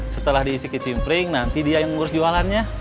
setelah diisik ke cimpring nanti dia yang ngurus jualannya